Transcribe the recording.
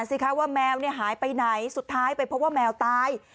สิคะว่าแมวหายไปไหนสุดท้ายไปพบว่าแมวตาย